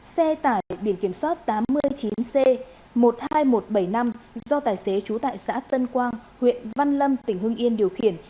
xe tải biển kiểm soát tám mươi chín c một mươi hai nghìn một trăm bảy mươi năm do tài xế trú tại xã tân quang huyện văn lâm tỉnh hưng yên điều khiển